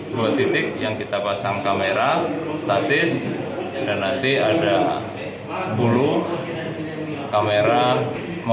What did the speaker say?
dua titik yang kita pasang kamera statis dan nanti ada sepuluh kamera mobile yang akan kita gunakan